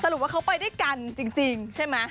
รุปว่าเขาไปด้วยกันจริงใช่ไหม